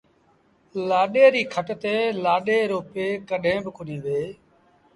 لآڏي ريٚ کٽ تي لآڏي رو پي ڪڏهين با ڪونهيٚ ويه